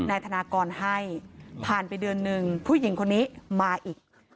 นายธนากรให้ผ่านไปเดือนหนึ่งผู้หญิงคนนี้มาอีก